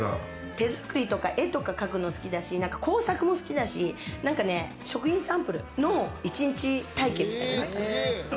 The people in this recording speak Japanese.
手作りとか、絵とか描くの好きだし、工作も好きだし、食品サンプルの１日体験みたいなのがあったんですよ。